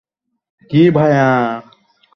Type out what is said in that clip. কী, ভায়া?